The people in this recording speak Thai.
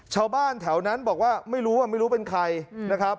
ชาวบ้านแถวนั้นบอกว่าไม่รู้ไม่รู้เป็นใครนะครับ